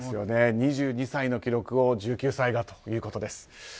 ２２歳の記録を１９歳がということです。